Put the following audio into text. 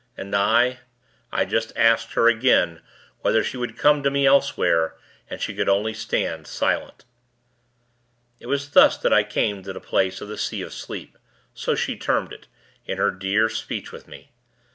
And I I just asked her, again, whether she would come to me elsewhere, and she could only stand, silent. It was thus, that I came to the place of the Sea of Sleep so she termed it, in her dear speech with me.